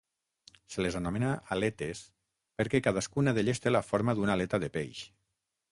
Se les anomena aletes perquè cadascuna d'elles té la forma d'una aleta de peix.